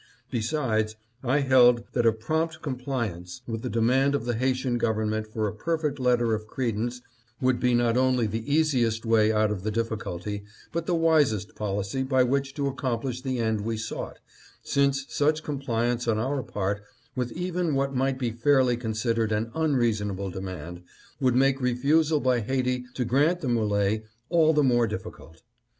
" Besides, I held that a prompt compliance with the demand of the Haitian Government for a perfect letter of credence would be not only the easiest way out of the UNFORTUNATE DELAY. 741 difficulty, but the wisest policy by which to accomplish the end we sought, since such compliance on our part with even what might be fairly considered an unreason able demand would make refusal by Haiti to grant the MOle all the more difficult.